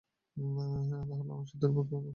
তাহলে আমরা সেতুর উপর উঠতে পারব।